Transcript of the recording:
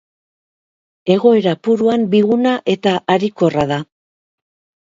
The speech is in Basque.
Egoera puruan biguna eta harikorra da.